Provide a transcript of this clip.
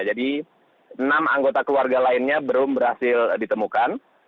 enam anggota keluarga lainnya belum berhasil ditemukan